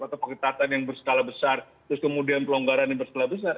atau pengetatan yang berskala besar terus kemudian pelonggaran yang berskala besar